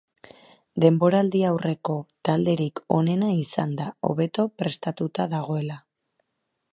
Denboraldi-aurreko talderik onena izan da, hobeto prestatuta dagoela.